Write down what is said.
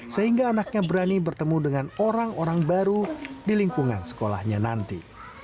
sehingga anaknya berani bertemu dengan orang orang baru di lingkungan sekolahnya nanti